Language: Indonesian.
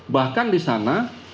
bahkan di sana